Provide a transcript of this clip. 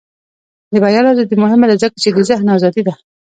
د بیان ازادي مهمه ده ځکه چې د ذهن ازادي ده.